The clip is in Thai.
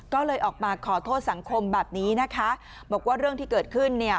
ก็เลยออกมาขอโทษสังคมแบบนี้นะคะบอกว่าเรื่องที่เกิดขึ้นเนี่ย